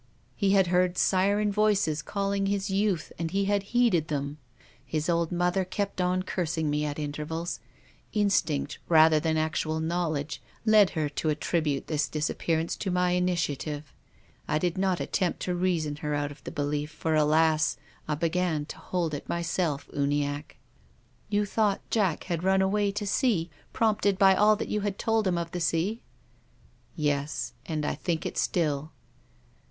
He had heard siren voices calling his youth and he had heeded them. His old mother kept on cursing me at intervals. Instinct, rather than actual knowledge, led her to attribute this disappearance to my initiative. I did not attempt to reason her out of the belief, for alas ! I began to hold it myself, Uniacke." " You thought Jack had run away to sea, prompted by all that you had told him of the sea r "Yes. And I think it still."